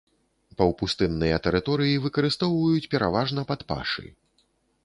Паўпустынныя тэрыторыі выкарыстоўваюць пераважна пад пашы.